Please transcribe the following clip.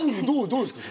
どうですか？